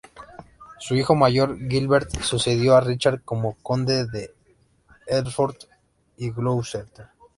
Su hijo mayor Gilbert sucedió a Richard como conde de Hertford y Gloucester.